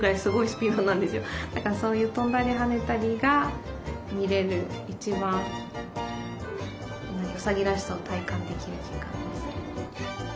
だからそういう跳んだりはねたりが見れる一番うさぎらしさを体感できる時間です。